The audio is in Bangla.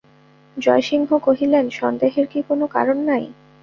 জয়সিংহ কহিলেন, সন্দেহের কি কোনো কারণ নাই?